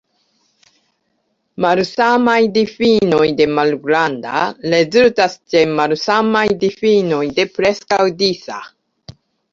Malsamaj difinoj de "malgranda" rezultas ĉe malsamaj difinoj de "preskaŭ disa".